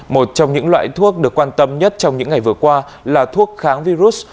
một trong những loại thuốc được quan tâm nhất trong những ngày vừa qua là thuốc kháng virus